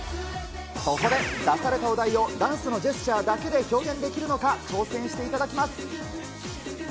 そこで、出されたお題をダンスのジェスチャーだけで表現できるのか、挑戦していただきます。